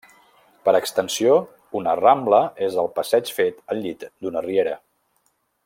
Per extensió, una rambla és el passeig fet al llit d'una riera.